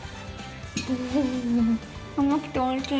甘くておいしい。